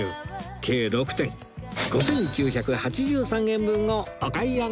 計６点５９８３円分をお買い上げです